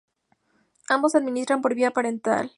Ambos se administran por vía parenteral.